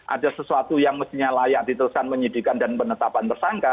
ada sesuatu yang mestinya layak diteruskan penyidikan dan penetapan tersangka